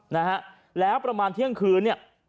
นะฮะแล้วประมาณเที่ยงคืนเนี่ย